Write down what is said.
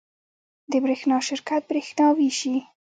د برښنا شرکت بریښنا ویشي